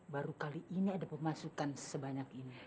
baru kali ini ada pemasukan sebanyak ini